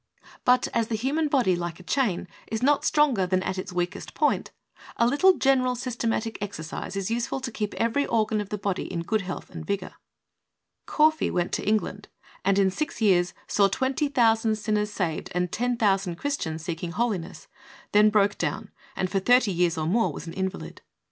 But as the human body, like a chain, is not stronger than at its weakest point, a little general systematic exercise is useful to keep every organ of the body in good health and vigor. Caughey went to England, and in six years saw 20^000 sinners saved and 10,000 Christians seeking holiness, then broke down, and for thirty years or more was an invalid.